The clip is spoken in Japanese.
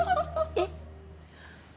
えっ。